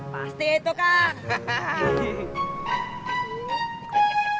pasti itu kak